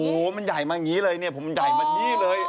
โอ้โหมันใหญ่มาอย่างนี้เลยเนี่ยผมใหญ่มานี่เลย